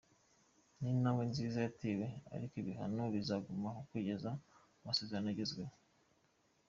Ni intambwe nziza yatewe ariko ibihano bizagumaho kugeza amasezerano agezweho.